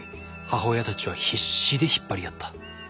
母親たちは必死で引っ張り合った。